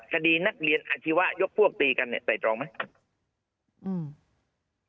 คดีนักเรียนอาชีวะยกพวกตีกันเนี่ยไตรตรองไหม